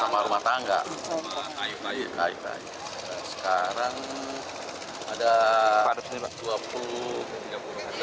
sampah yang diangkut dari sini pak